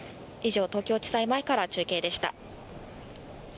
以上、東京地裁前から中継でした。